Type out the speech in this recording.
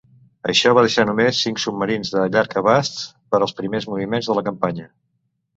Això va deixar només cinc submarins de llarg abast per als primers moviments de la campanya.